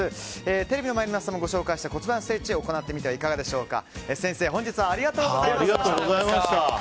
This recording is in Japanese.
テレビの前の皆さんもご紹介した骨盤ストレッチ行ってみてはいかがでしょうか。